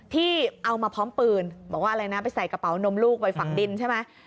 ที่เอามาพร้อมปืนบอกว่าอะไรนะไปใส่กระเป๋านมลูกไปฝังดินใช่ไหม